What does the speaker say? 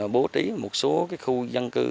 bố trí một số khu dân cư